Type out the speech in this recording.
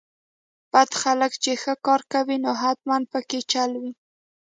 بد خلک چې ښه کار کوي نو حتماً پکې چل وي.